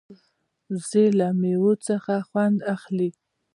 وزې له مېوې هم خوند اخلي